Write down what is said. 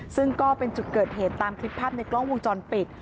ซึ่งก็เป็นจุดเกิดเหตุตามคลิปภาพในกล้องวงจรปิด